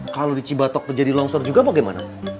kalau di cibatok terjadi longsor juga bagaimana